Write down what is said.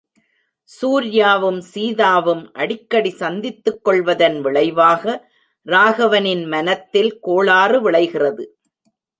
சூர்யாவும் சீதாவும் அடிக்கடி சந்தித்துக் கொள்வதன் விளைவாக, ராகவனின் மனத்தில் கோளாறு விளைகிறது!